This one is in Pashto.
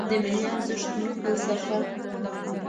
د ملي ارزښتونو فلسفه